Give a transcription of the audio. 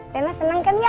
rena senang kan ya